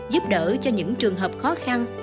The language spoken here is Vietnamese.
giúp đỡ cho những trường hợp khó khăn